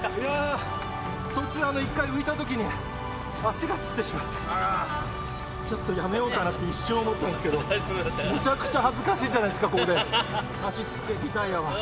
途中、一回浮いたときに、足がつってしまって、ちょっとやめようかなって一瞬思ったんですけど、めちゃくちゃ恥ずかしいじゃないですか、ここで足つってリタイアは。